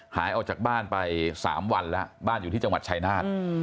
หายออกจากบ้านไป๓วันแล้วบ้านอยู่ที่จังหวัดชายนาฏ